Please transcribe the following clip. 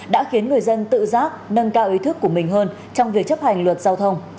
đã khiến người dân tự giác nâng cao ý thức của mình hơn trong việc chấp hành luật giao thông